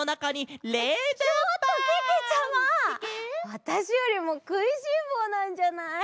わたしよりもくいしんぼうなんじゃない？